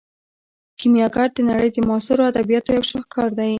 کیمیاګر د نړۍ د معاصرو ادبیاتو یو شاهکار دی.